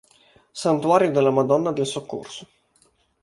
Santuario della Madonna del Soccorso